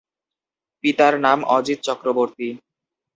পিতার নাম অজিত চক্রবর্তী।